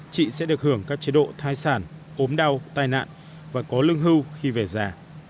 chị sẽ được hưởng các chế độ thai sản ốm đau tai nạn và có lương hưu khi về già